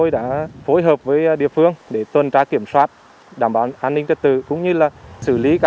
và công an địa phương không quản ngại nắng mưa